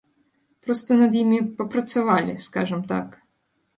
Проста над імі папрацавалі, скажам так.